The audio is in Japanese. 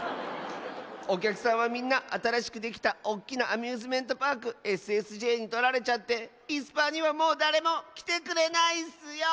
おきゃくさんはみんなあたらしくできたおっきなアミューズメントパークＳＳＪにとられちゃっていすパーにはもうだれもきてくれないッスよ。